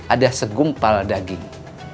ada segumpal daging